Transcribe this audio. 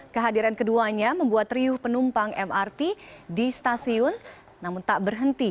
kehadiran keduanya membuat riuh penumpang mrt di stasiun namun tak berhenti